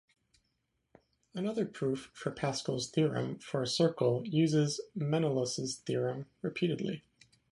Another proof for Pascal's theorem for a circle uses Menelaus' theorem repeatedly.